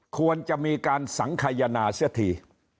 ควรจะมีการสังขยนาเสียที